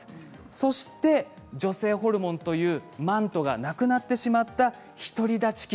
そして女性ホルモンというマントがなくなってしまったひとりだち期。